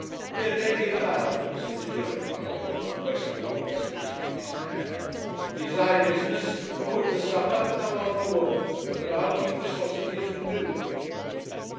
"Here, take it thou," said the girovago, pressing the long spit into his hand. "It is thy business, cook the supper, thou art the woman. But I'll keep the sausages and do them."